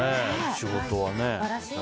仕事はね。